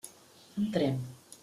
Entrem.